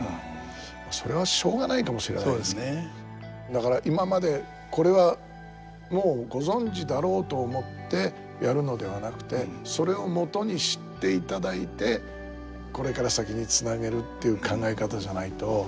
だから今まで「これはもうご存じだろう」と思ってやるのではなくてそれをもとにしていただいてこれから先につなげるっていう考え方じゃないと。